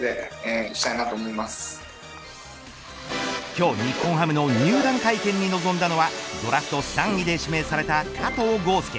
今日、日本ハムの入団会見に臨んだのはドラフト３位で指名された加藤豪将。